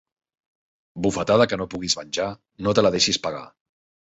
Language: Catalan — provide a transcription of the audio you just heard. Bufetada que no puguis venjar, no te la deixis pegar.